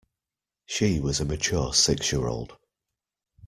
She was a mature six-year-old.